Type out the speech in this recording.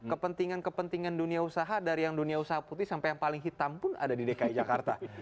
kepentingan kepentingan dunia usaha dari yang dunia usaha putih sampai yang paling hitam pun ada di dki jakarta